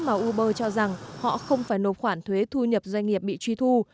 một lý do nữa mà uber cho rằng họ không phải nộp khoản thuế thu nhập doanh nghiệp bị truy thu